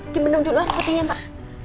dibenum duluan pentingnya pak